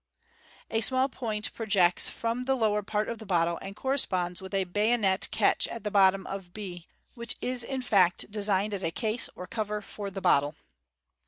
A small point projects from the lower part of the bottle, and corresponds with a bayonet catch at the bottom of B, which is in fact designed as a case or cover for the bottle.